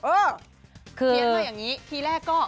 เขียนมาอย่างนี้ทีแรกก็